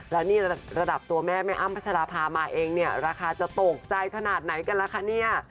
แล้วนี่ระดับตัวแม่แม่อ้ำพัชราภามาเองเนี่ยราคาจะตกใจขนาดไหนกันล่ะคะเนี่ย